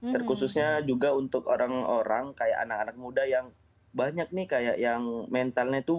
terkhususnya juga untuk orang orang kayak anak anak muda yang banyak nih kayak yang mentalnya tuh